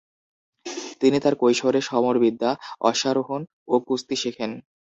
তিনি তার কৈশোরে সমরবিদ্যা, অশ্বারোহণ ও কুস্তি শেখেন।